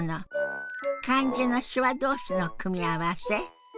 漢字の手話どうしの組み合わせ